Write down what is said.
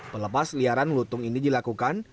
pelepas liaran lutung ini dilakukan